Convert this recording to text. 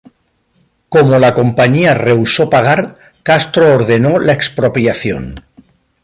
Como la compañía rehusó pagar, Castro ordenó la expropiación